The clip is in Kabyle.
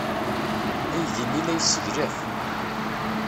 Aydi-nni la yesseglaf.